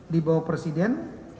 di bawah presiden